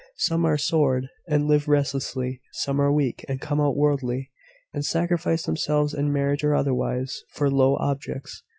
Some are soured, and live restlessly. Some are weak, and come out worldly, and sacrifice themselves, in marriage or otherwise, for low objects.